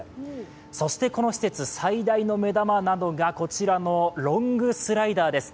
そして、この施設最大の目玉なのがこちらのロングスライダーです。